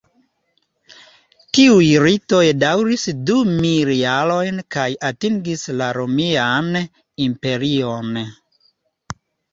Tiuj ritoj daŭris du mil jarojn kaj atingis la Romian Imperion.